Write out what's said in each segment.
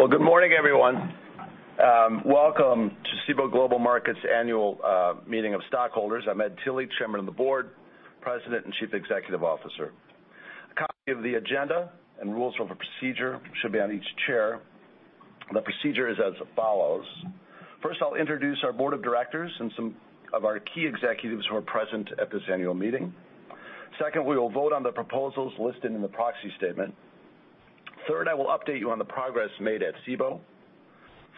Well, good morning, everyone. Welcome to Cboe Global Markets annual meeting of stockholders. I'm Ed Tilly, Chairman of the Board, President, and Chief Executive Officer. A copy of the agenda and rules of procedure should be on each chair. The procedure is as follows. First, I'll introduce our board of directors and some of our key executives who are present at this annual meeting. Second, we will vote on the proposals listed in the proxy statement. Third, I will update you on the progress made at Cboe.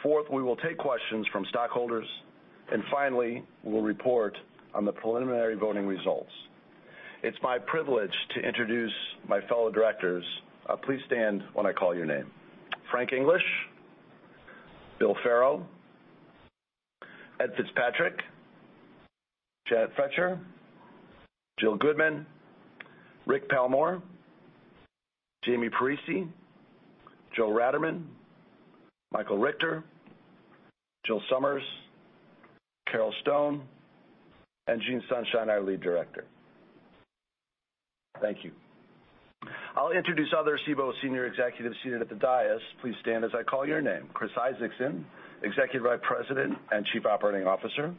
Fourth, we will take questions from stockholders. Finally, we will report on the preliminary voting results. It's my privilege to introduce my fellow directors. Please stand when I call your name. Frank English, Bill Farrow, Ed Fitzpatrick, Janet Froetscher, Jill Goodman, Rick Palmore, Jamie Parisi, Joe Ratterman, Michael Richter, Jill Sommers, Carole Stone, and Gene Sunshine, our Lead Director. Thank you. I'll introduce other Cboe senior executives seated at the dais. Please stand as I call your name. Chris Isaacson, Executive Vice President and Chief Operating Officer.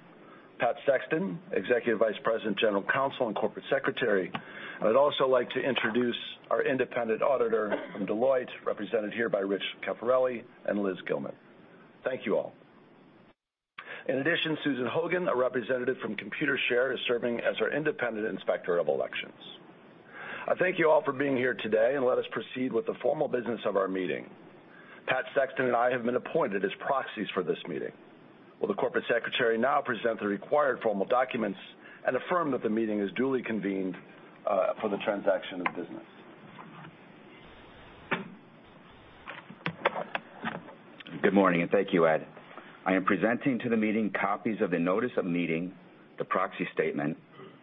Pat Sexton, Executive Vice President, General Counsel, and Corporate Secretary. I'd also like to introduce our independent auditor from Deloitte, represented here by Rich Cafarelli and Liz Gilman. Thank you all. In addition, Susan Hogan, a representative from Computershare, is serving as our independent inspector of elections. I thank you all for being here today. Let us proceed with the formal business of our meeting. Pat Sexton and I have been appointed as proxies for this meeting. Will the corporate secretary now present the required formal documents and affirm that the meeting is duly convened for the transaction of business? Good morning. Thank you, Ed. I am presenting to the meeting copies of the notice of meeting, the proxy statement,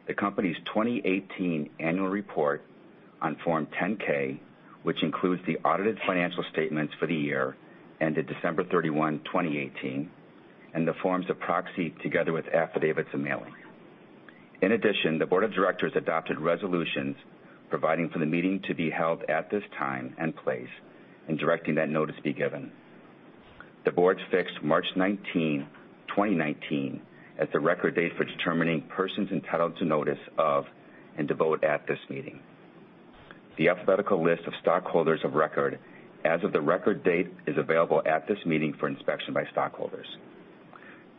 the company's 2018 annual report on Form 10-K, which includes the audited financial statements for the year ended December 31, 2018, and the forms of proxy, together with affidavits of mailing. In addition, the board of directors adopted resolutions providing for the meeting to be held at this time and place, and directing that notice be given. The board fixed March 19, 2019, as the record date for determining persons entitled to notice of and to vote at this meeting. The alphabetical list of stockholders of record as of the record date is available at this meeting for inspection by stockholders.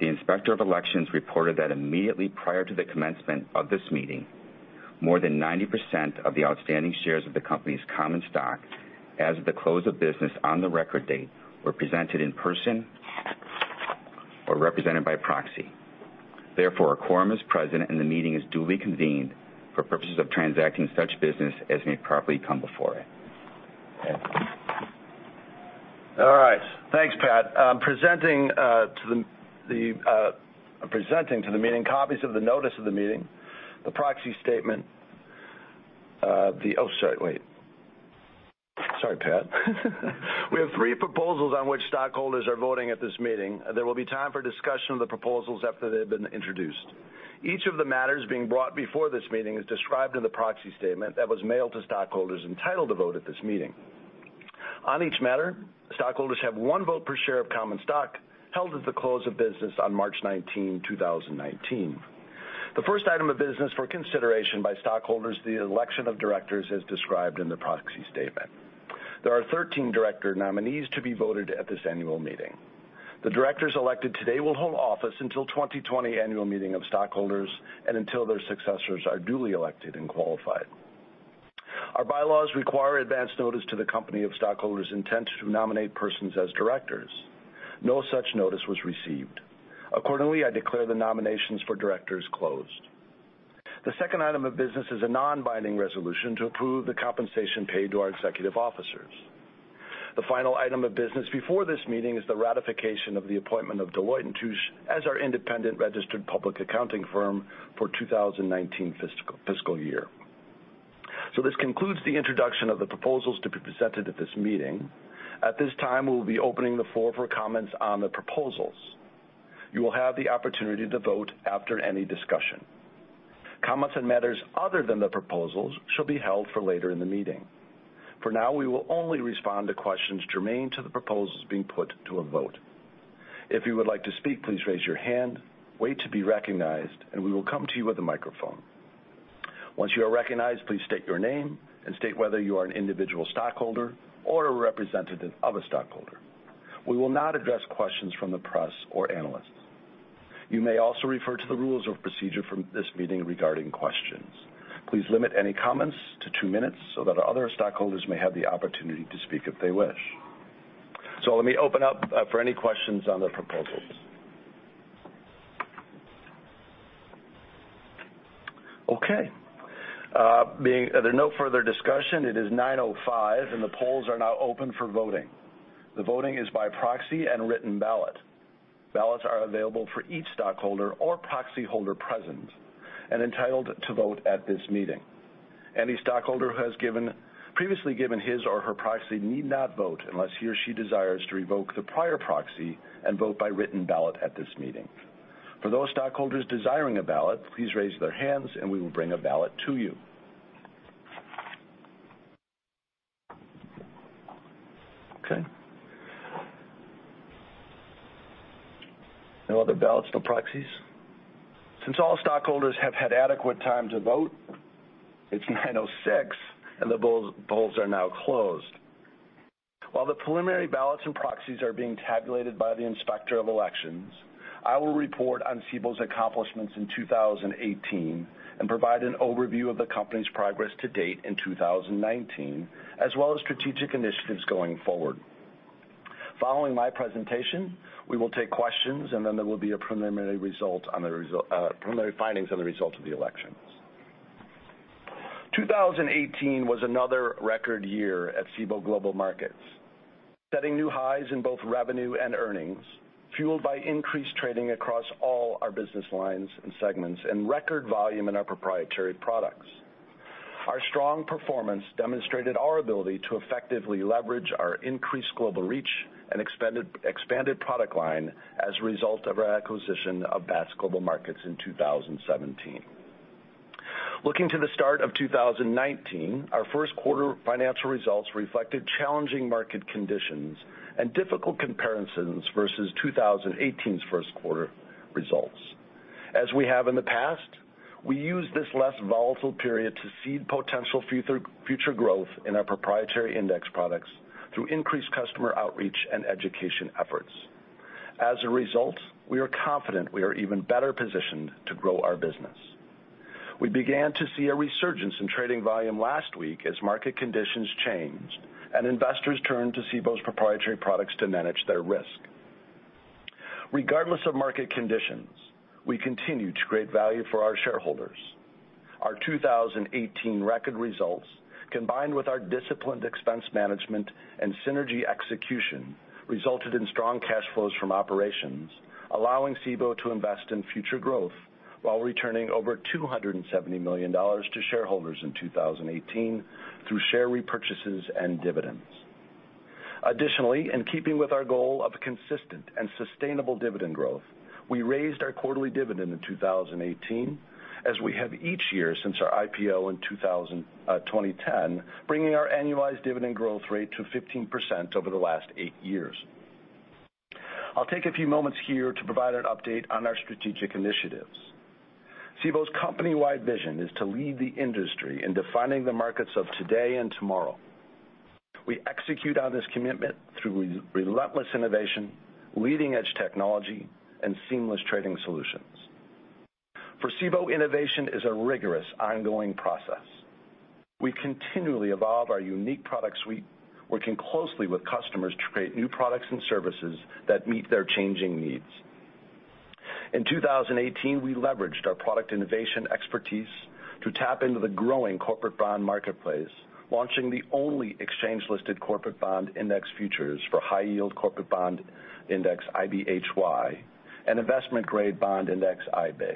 The Inspector of Elections reported that immediately prior to the commencement of this meeting, more than 90% of the outstanding shares of the company's common stock as of the close of business on the record date were presented in person or represented by proxy. Therefore, a quorum is present. The meeting is duly convened for purposes of transacting such business as may properly come before it. Ed? All right. Thanks, Pat. I'm presenting to the meeting copies of the notice of the meeting, the proxy statement. Oh, sorry. Wait. Sorry, Pat. We have 3 proposals on which stockholders are voting at this meeting. There will be time for discussion of the proposals after they have been introduced. Each of the matters being brought before this meeting is described in the proxy statement that was mailed to stockholders entitled to vote at this meeting. On each matter, stockholders have 1 vote per share of common stock held at the close of business on March 19, 2019. The first item of business for consideration by stockholders, the election of directors as described in the proxy statement. There are 13 director nominees to be voted at this annual meeting. The directors elected today will hold office until 2020 annual meeting of stockholders and until their successors are duly elected and qualified. Our bylaws require advance notice to the company of stockholders' intent to nominate persons as directors. No such notice was received. Accordingly, I declare the nominations for directors closed. The second item of business is a non-binding resolution to approve the compensation paid to our executive officers. The final item of business before this meeting is the ratification of the appointment of Deloitte & Touche as our independent registered public accounting firm for 2019 fiscal year. This concludes the introduction of the proposals to be presented at this meeting. At this time, we will be opening the floor for comments on the proposals. You will have the opportunity to vote after any discussion. Comments on matters other than the proposals shall be held for later in the meeting. For now, we will only respond to questions germane to the proposals being put to a vote. If you would like to speak, please raise your hand, wait to be recognized, and we will come to you with a microphone. Once you are recognized, please state your name and state whether you are an individual stockholder or a representative of a stockholder. We will not address questions from the press or analysts. You may also refer to the rules of procedure for this meeting regarding questions. Please limit any comments to 2 minutes so that other stockholders may have the opportunity to speak if they wish. Let me open up for any questions on the proposals. Okay. Being there are no further discussion, it is 9:05 A.M., and the polls are now open for voting. The voting is by proxy and written ballot. Ballots are available for each stockholder or proxy holder present and entitled to vote at this meeting. Any stockholder who has previously given his or her proxy need not vote unless he or she desires to revoke the prior proxy and vote by written ballot at this meeting. For those stockholders desiring a ballot, please raise their hands, and we will bring a ballot to you. Okay. No other ballots, no proxies. Since all stockholders have had adequate time to vote, it's 9:06 A.M., and the polls are now closed. While the preliminary ballots and proxies are being tabulated by the Inspector of Elections, I will report on Cboe's accomplishments in 2018 and provide an overview of the company's progress to date in 2019, as well as strategic initiatives going forward. Following my presentation, we will take questions. Then there will be preliminary findings on the results of the elections. 2018 was another record year at Cboe Global Markets, setting new highs in both revenue and earnings, fueled by increased trading across all our business lines and segments and record volume in our proprietary products. Our strong performance demonstrated our ability to effectively leverage our increased global reach and expanded product line as a result of our acquisition of Bats Global Markets in 2017. Looking to the start of 2019, our first quarter financial results reflected challenging market conditions and difficult comparisons versus 2018's first quarter results. As we have in the past, we used this less volatile period to seed potential future growth in our proprietary index products through increased customer outreach and education efforts. We are confident we are even better positioned to grow our business. We began to see a resurgence in trading volume last week as market conditions changed and investors turned to Cboe's proprietary products to manage their risk. Regardless of market conditions, we continue to create value for our shareholders. Our 2018 record results, combined with our disciplined expense management and synergy execution, resulted in strong cash flows from operations, allowing Cboe to invest in future growth while returning over $270 million to shareholders in 2018 through share repurchases and dividends. Additionally, in keeping with our goal of consistent and sustainable dividend growth, we raised our quarterly dividend in 2018, as we have each year since our IPO in 2010, bringing our annualized dividend growth rate to 15% over the last eight years. I'll take a few moments here to provide an update on our strategic initiatives. Cboe's company-wide vision is to lead the industry in defining the markets of today and tomorrow. We execute on this commitment through relentless innovation, leading-edge technology, and seamless trading solutions. For Cboe, innovation is a rigorous, ongoing process. We continually evolve our unique product suite, working closely with customers to create new products and services that meet their changing needs. In 2018, we leveraged our product innovation expertise to tap into the growing corporate bond marketplace, launching the only exchange-listed corporate bond index futures for high-yield corporate bond index IBHY and investment-grade bond index IBIG.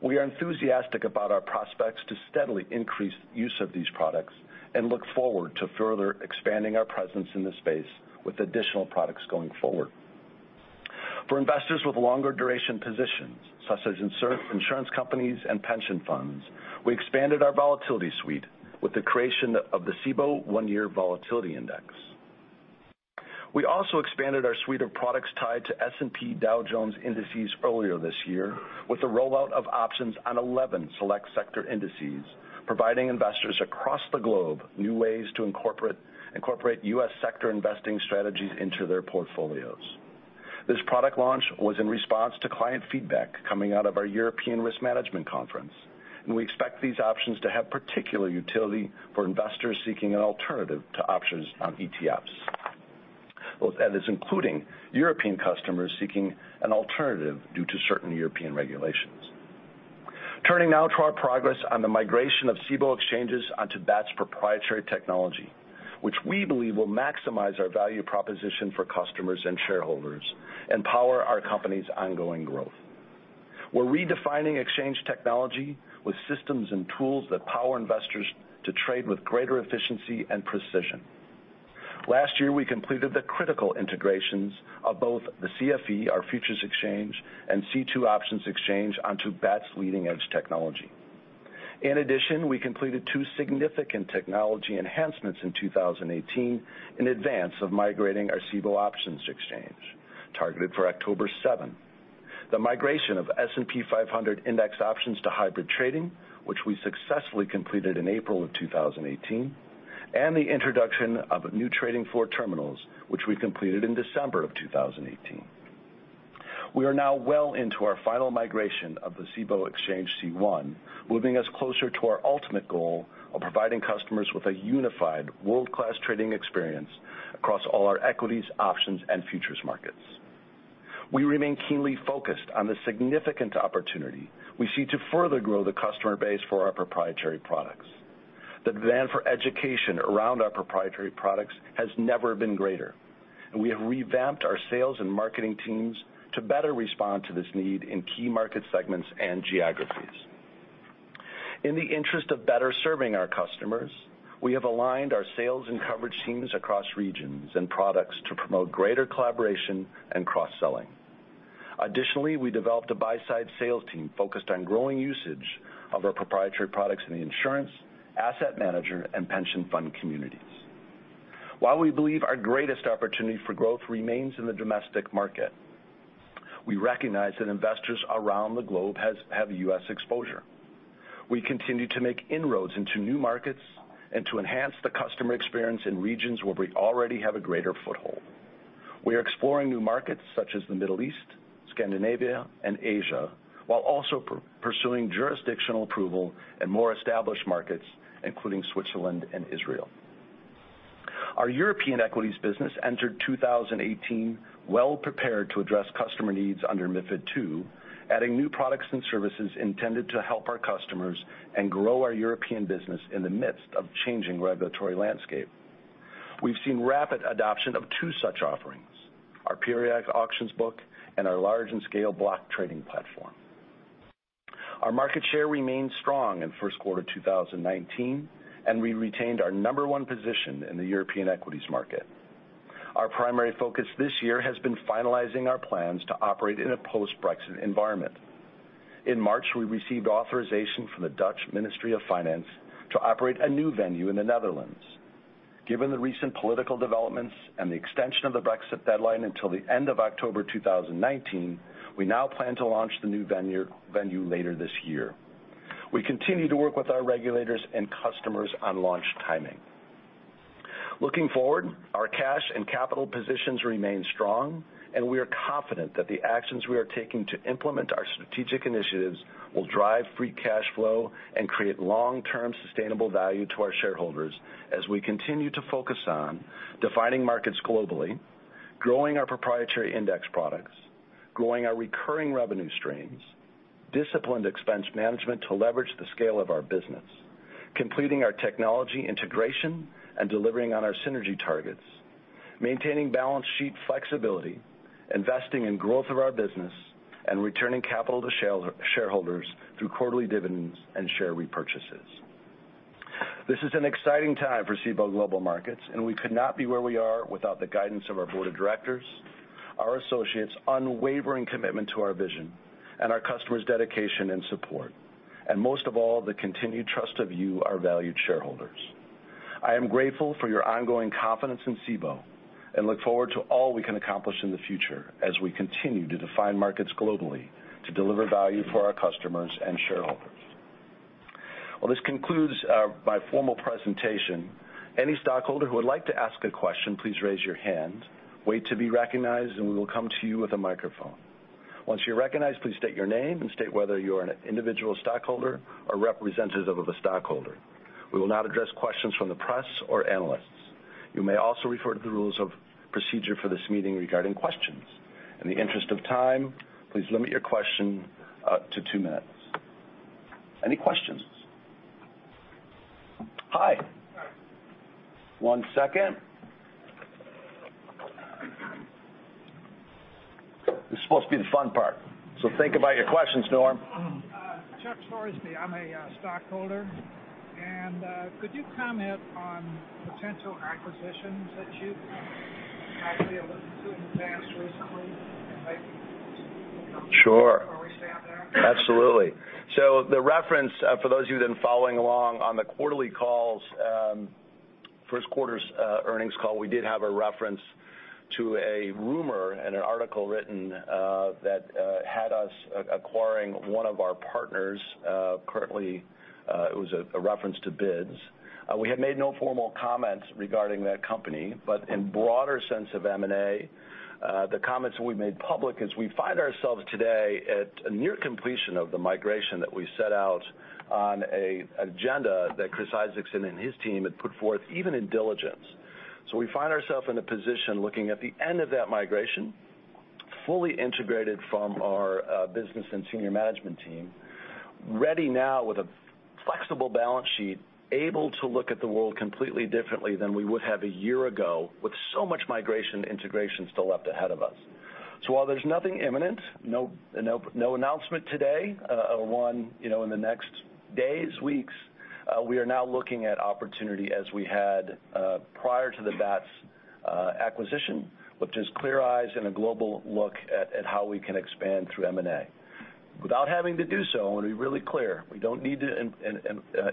We are enthusiastic about our prospects to steadily increase use of these products and look forward to further expanding our presence in this space with additional products going forward. For investors with longer duration positions, such as insurance companies and pension funds, we expanded our volatility suite with the creation of the Cboe One-Year Volatility Index. We also expanded our suite of products tied to S&P Dow Jones Indices earlier this year with the rollout of options on 11 select sector indices, providing investors across the globe new ways to incorporate U.S. sector investing strategies into their portfolios. This product launch was in response to client feedback coming out of our European Risk Management Conference. We expect these options to have particular utility for investors seeking an alternative to options on ETFs. That is including European customers seeking an alternative due to certain European regulations. Turning now to our progress on the migration of Cboe exchanges onto Bats proprietary technology, which we believe will maximize our value proposition for customers and shareholders and power our company's ongoing growth. We're redefining exchange technology with systems and tools that power investors to trade with greater efficiency and precision. Last year, we completed the critical integrations of both the CFE, our futures exchange, and C2 options exchange onto Bats' leading-edge technology. In addition, we completed two significant technology enhancements in 2018 in advance of migrating our Cboe Options Exchange, targeted for October seventh. The migration of S&P 500 index options to hybrid trading, which we successfully completed in April of 2018, and the introduction of new trading floor terminals, which we completed in December of 2018. We are now well into our final migration of the Cboe Exchange C1, moving us closer to our ultimate goal of providing customers with a unified world-class trading experience across all our equities, options, and futures markets. We remain keenly focused on the significant opportunity we see to further grow the customer base for our proprietary products. The demand for education around our proprietary products has never been greater, and we have revamped our sales and marketing teams to better respond to this need in key market segments and geographies. In the interest of better serving our customers, we have aligned our sales and coverage teams across regions and products to promote greater collaboration and cross-selling. Additionally, we developed a buy-side sales team focused on growing usage of our proprietary products in the insurance, asset manager, and pension fund communities. While we believe our greatest opportunity for growth remains in the domestic market, we recognize that investors around the globe have U.S. exposure. We continue to make inroads into new markets and to enhance the customer experience in regions where we already have a greater foothold. We are exploring new markets such as the Middle East, Scandinavia, and Asia, while also pursuing jurisdictional approval in more established markets, including Switzerland and Israel. Our European equities business entered 2018 well-prepared to address customer needs under MiFID II, adding new products and services intended to help our customers and grow our European business in the midst of changing regulatory landscape. We've seen rapid adoption of two such offerings, our Periodic Auctions book and our Large in Scale block trading platform. Our market share remained strong in first quarter 2019, and we retained our number one position in the European equities market. Our primary focus this year has been finalizing our plans to operate in a post-Brexit environment. In March, we received authorization from the Dutch Ministry of Finance to operate a new venue in the Netherlands. Given the recent political developments and the extension of the Brexit deadline until the end of October 2019, we now plan to launch the new venue later this year. We continue to work with our regulators and customers on launch timing. Looking forward, our cash and capital positions remain strong, and we are confident that the actions we are taking to implement our strategic initiatives will drive free cash flow and create long-term sustainable value to our shareholders as we continue to focus on defining markets globally, growing our proprietary index products, growing our recurring revenue streams, disciplined expense management to leverage the scale of our business, completing our technology integration, and delivering on our synergy targets, maintaining balance sheet flexibility, investing in growth of our business, and returning capital to shareholders through quarterly dividends and share repurchases. This is an exciting time for Cboe Global Markets, and we could not be where we are without the guidance of our board of directors, our associates' unwavering commitment to our vision, and our customers' dedication and support, and most of all, the continued trust of you, our valued shareholders. I am grateful for your ongoing confidence in Cboe and look forward to all we can accomplish in the future as we continue to define markets globally to deliver value for our customers and shareholders. Well, this concludes my formal presentation. Any stockholder who would like to ask a question, please raise your hand, wait to be recognized, and we will come to you with a microphone. Once you're recognized, please state your name and state whether you're an individual stockholder or representative of a stockholder. We will not address questions from the press or analysts. You may also refer to the rules of procedure for this meeting regarding questions. In the interest of time, please limit your question to two minutes. Any questions? Hi. One second. This is supposed to be the fun part, think about your questions, Norm. Chuck Swarby, I'm a stockholder. Could you comment on potential acquisitions that you've probably looked to in the past recently and maybe- Sure where we stand there? Absolutely. The reference, for those of you who've been following along on the quarterly calls, first quarter's earnings call, we did have a reference to a rumor and an article written that had us acquiring one of our partners. Currently, it was a reference to Bats. We have made no formal comments regarding that company, but in broader sense of M&A, the comments we've made public is we find ourselves today at a near completion of the migration that we set out on an agenda that Chris Isaacson and his team had put forth, even in diligence. We find ourselves in a position looking at the end of that migration, fully integrated from our business and senior management team, ready now with a flexible balance sheet, able to look at the world completely differently than we would have a year ago, with so much migration and integration still left ahead of us. While there's nothing imminent, no announcement today, or one in the next days, weeks, we are now looking at opportunity as we had prior to the Bats acquisition, which is clear eyes and a global look at how we can expand through M&A. Without having to do so, I want to be really clear, we don't need to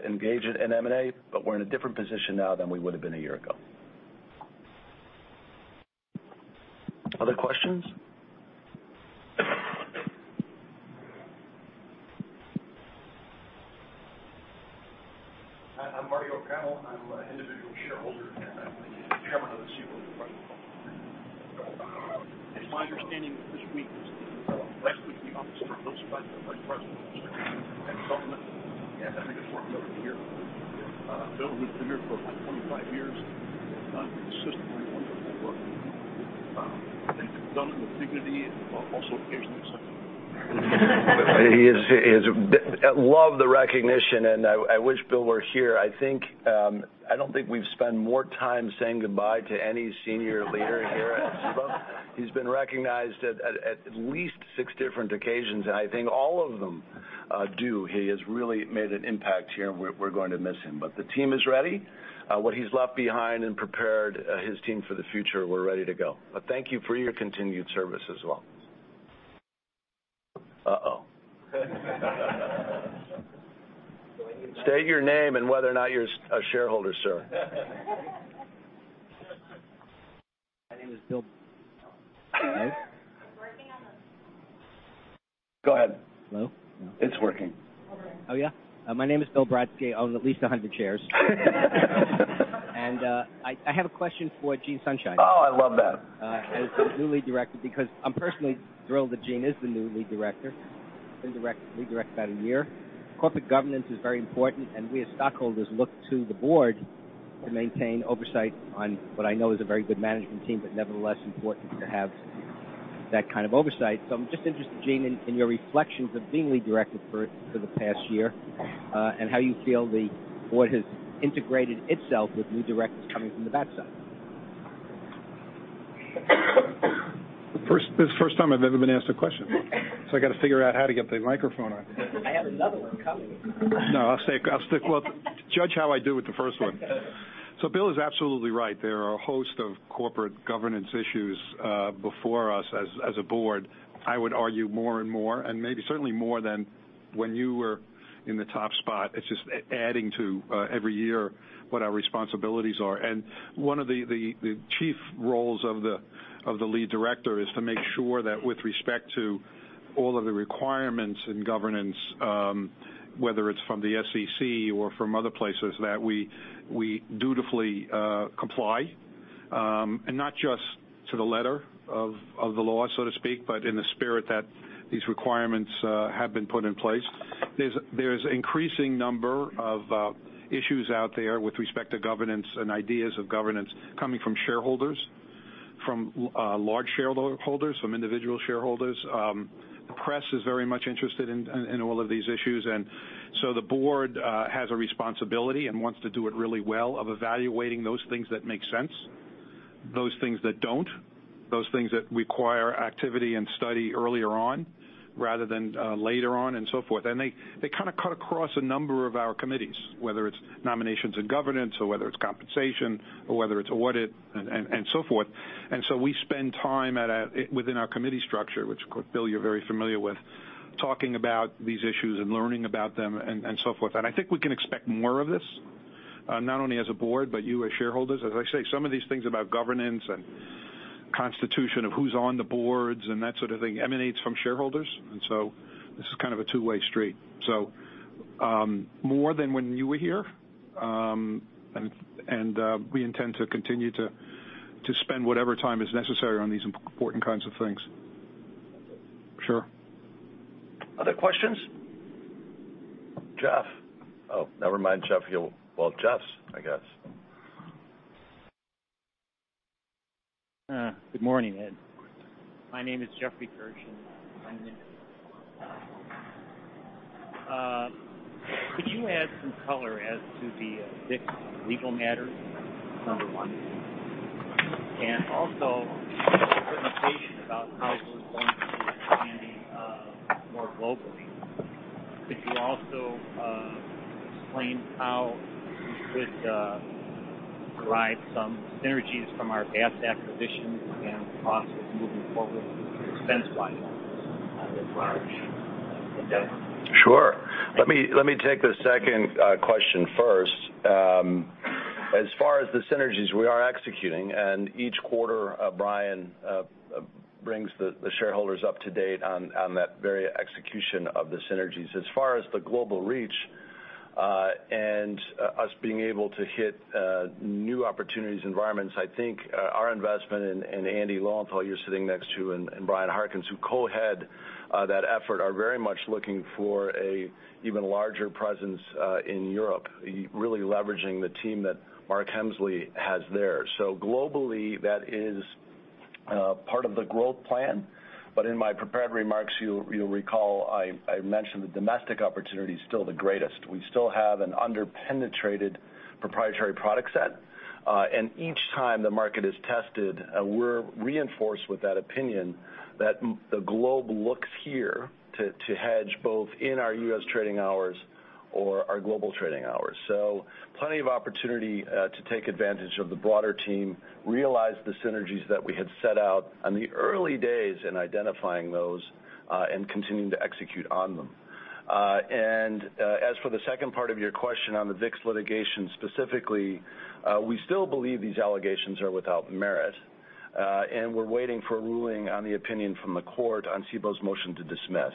engage in M&A, but we're in a different position now than we would've been a year ago. Other questions? I'm Marty O'Connell, I'm an individual shareholder, and I'm the chairman of the Cboe. It's my understanding that last week the officer, Bill Specht, our vice president, took a retirement supplement, and I think it's worked out here. Bill, who's been here for the past 25 years, done consistently wonderful work and done it with dignity, while also occasionally some humor. Love the recognition. I wish Bill were here. I don't think we've spent more time saying goodbye to any senior leader here at Cboe. He's been recognized at least six different occasions. I think all of them due. He has really made an impact here, and we're going to miss him. The team is ready. What he's left behind and prepared his team for the future, we're ready to go. Thank you for your continued service as well. State your name and whether or not you're a shareholder, sir. My name is Bill. It's working on the Go ahead. Hello? No. It's working. Over there. Oh, yeah? My name is Bill Brodsky. I own at least 100 shares. I have a question for Gene Sunshine. Oh, I love that. As the new lead director, because I'm personally thrilled that Gene is the new lead director. Been lead director about a year. Corporate governance is very important, and we as stockholders look to the board to maintain oversight on what I know is a very good management team, but nevertheless important to have that kind of oversight. I'm just interested, Gene, in your reflections of being lead director for the past year, and how you feel the board has integrated itself with new directors coming from the outside. This is the first time I've ever been asked a question. I've got to figure out how to get the microphone on. I have another one coming. No. Well, judge how I do with the first one. Bill is absolutely right. There are a host of corporate governance issues before us as a board, I would argue more and more, and maybe certainly more than when you were in the top spot. It's just adding to, every year, what our responsibilities are. One of the chief roles of the lead director is to make sure that with respect to all of the requirements in governance, whether it's from the SEC or from other places, that we dutifully comply, and not just to the letter of the law, so to speak, but in the spirit that these requirements have been put in place. There's an increasing number of issues out there with respect to governance and ideas of governance coming from shareholders, from large shareholders, from individual shareholders. The press is very much interested in all of these issues, the board has a responsibility and wants to do it really well of evaluating those things that make sense, those things that don't, those things that require activity and study earlier on rather than later on, and so forth. They kind of cut across a number of our committees, whether it's nominations and governance or whether it's compensation or whether it's audit and so forth. We spend time within our committee structure, which Bill, you're very familiar with, talking about these issues and learning about them and so forth. I think we can expect more of this, not only as a board, but you as shareholders. As I say, some of these things about governance and constitution of who's on the boards and that sort of thing emanates from shareholders, this is kind of a two-way street. More than when you were here, and we intend to continue to spend whatever time is necessary on these important kinds of things. That's it. Sure. Other questions? Jeff. Oh, never mind, Jeff. Well, Jeff's, I guess. Good morning, Ed. My name is Jeffrey Gershon. Could you add some color as to the VIX legal matter? Number one. Also, your presentation about how it was going to be expanding more globally. Could you also explain how you could derive some synergies from our vast acquisition and process moving forward expense-wise on this large endeavor? Sure. Let me take the second question first. As far as the synergies, we are executing, and each quarter Brian brings the shareholders up to date on that very execution of the synergies. As far as the global reach, and us being able to hit new opportunities, environments, I think our investment in Andy Lowenthal, who you're sitting next to, and Bryan Harkins, who co-head that effort, are very much looking for an even larger presence in Europe, really leveraging the team that Mark Hemsley has there. Globally, that is part of the growth plan. In my prepared remarks, you'll recall I mentioned the domestic opportunity's still the greatest. We still have an under-penetrated proprietary product set. Each time the market is tested, we're reinforced with that opinion that the globe looks here to hedge, both in our U.S. trading hours or our global trading hours. Plenty of opportunity to take advantage of the broader team, realize the synergies that we had set out in the early days in identifying those, and continuing to execute on them. As for the second part of your question on the VIX litigation specifically, we still believe these allegations are without merit. We're waiting for a ruling on the opinion from the court on Cboe's motion to dismiss.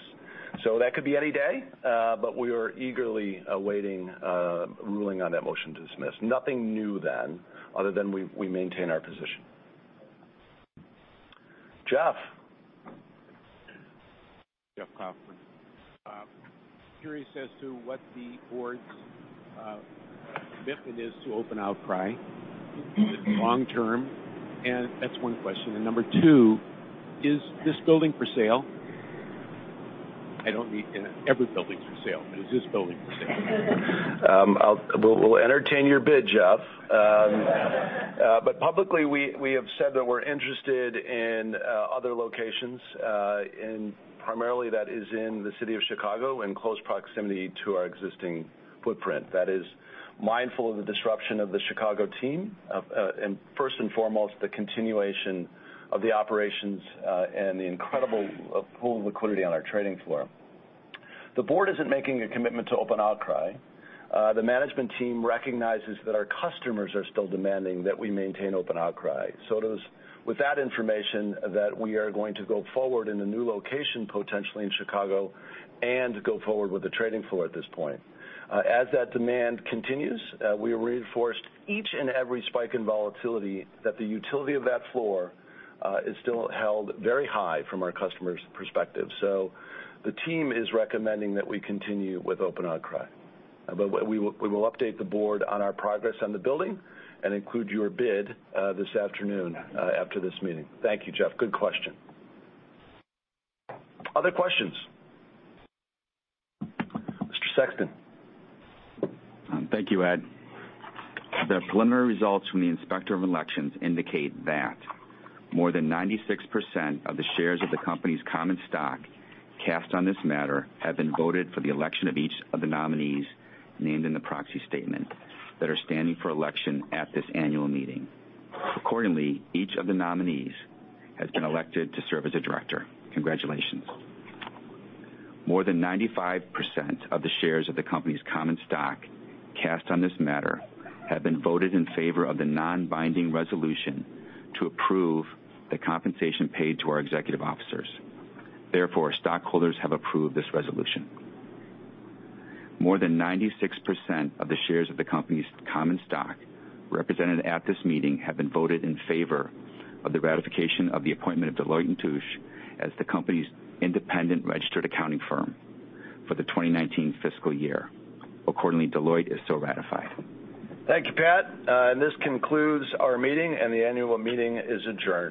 That could be any day, but we are eagerly awaiting a ruling on that motion to dismiss. Nothing new, then, other than we maintain our position. Jeff. Jeff Kaufman. Curious as to what the board's commitment is to open outcry long term. That's one question. Number two, is this building for sale? I don't mean every building's for sale, but is this building for sale? We'll entertain your bid, Jeff. Publicly, we have said that we're interested in other locations, primarily that is in the city of Chicago, in close proximity to our existing footprint. That is mindful of the disruption of the Chicago team, and first and foremost, the continuation of the operations, and the incredible pool of liquidity on our trading floor. The board isn't making a commitment to open outcry. The management team recognizes that our customers are still demanding that we maintain open outcry. It is with that information that we are going to go forward in a new location, potentially in Chicago, and go forward with the trading floor at this point. As that demand continues, we are reinforced each and every spike in volatility that the utility of that floor is still held very high from our customers' perspective. The team is recommending that we continue with open outcry. We will update the board on our progress on the building and include your bid this afternoon after this meeting. Thank you, Jeff. Good question. Other questions? Mr. Sexton. Thank you, Ed. The preliminary results from the inspector of elections indicate that more than 96% of the shares of the company's common stock cast on this matter have been voted for the election of each of the nominees named in the proxy statement that are standing for election at this annual meeting. Accordingly, each of the nominees has been elected to serve as a director. Congratulations. More than 95% of the shares of the company's common stock cast on this matter have been voted in favor of the non-binding resolution to approve the compensation paid to our executive officers. Therefore, stockholders have approved this resolution. More than 96% of the shares of the company's common stock represented at this meeting have been voted in favor of the ratification of the appointment of Deloitte & Touche as the company's independent registered accounting firm for the 2019 fiscal year. Accordingly, Deloitte is so ratified. Thank you, Pat. This concludes our meeting, and the annual meeting is adjourned.